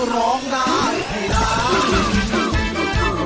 ร้องได้ให้ร้าน